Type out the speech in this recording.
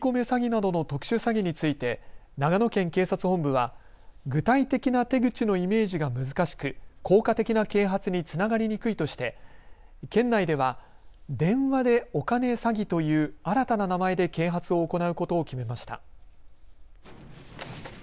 詐欺などの特殊詐欺について長野県警察本部は具体的な手口のイメージが難しく効果的な啓発につながりにくいとして県内では電話でお金詐欺という新たな名前で啓発を行うことを決めました。